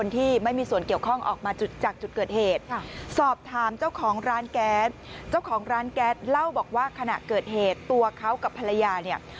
แท้เจ้าของร้านแก๊สเล่าบอกว่าขณะเกิดเหตุตัวเขากับภรรยาเนี่ย